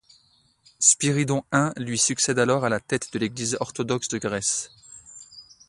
Spyridon I lui succède alors à la tête de l'Église orthodoxe de Grèce.